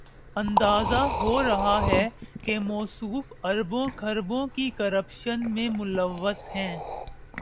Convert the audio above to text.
اندازہ ہو رہا ہے کہ موصوف اربوں، کھربوں کی کرپشن میں ملوث ہیں۔